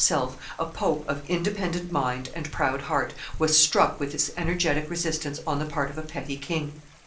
himself, a pope of independent mind and proud heart, was struck with this energetic resistance on the part of a petty king.